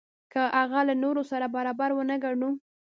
که هغه له نورو سره برابر ونه ګڼو.